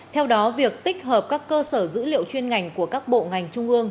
theo đó việc tích hợp các cơ sở dữ liệu chuyên ngành của các bộ ngành trung ương